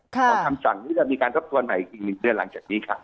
เพราะทำจันทร์นี้จะมีการทบทวนอีก๑เดือนหลังจากนี้ค่ะ